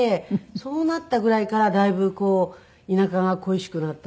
そうなったぐらいからだいぶこう田舎が恋しくなったというか。